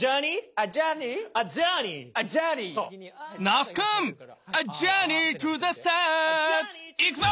那須くん「アジャーニートゥザスターズ」行くぞ！